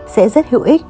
sẽ rất hữu ích